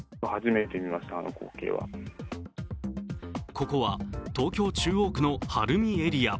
ここは東京・中央区の晴海エリア。